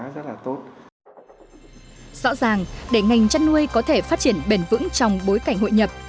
rõ ràng để ngành chăn nuôi có thể phát triển bền vững trong bối cảnh hội nhập